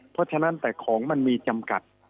เพราะฉะนั้นแต่ของมันมีจำกัด